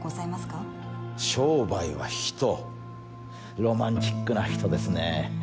商売は人ロマンチックな人ですね。